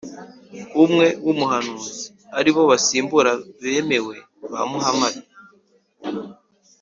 (umukwe w’umuhanuzi), ari bo basimbura bemewe ba muhamadi